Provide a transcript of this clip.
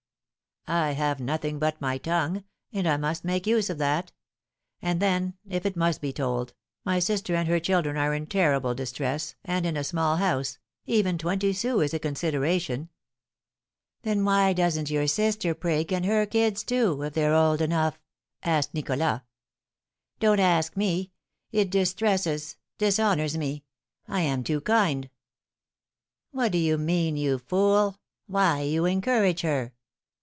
"I have nothing but my tongue, and I must make use of that. And then, if it must be told, my sister and her children are in terrible distress, and, in a small house, even twenty sous is a consideration." "Then why doesn't your sister prig, and her kids, too, if they're old enough?" asked Nicholas. "Don't ask me; it distresses dishonours me! I am too kind " "What do you mean, you fool? Why, you encourage her!"